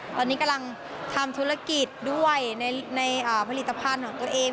ตอนนี้กำลังทำธุรกิจด้วยในผลิตภัณฑ์ของตัวเอง